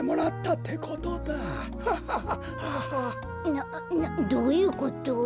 などういうこと？